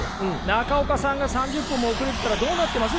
中岡さんが３０分も遅れてたらどうなってます？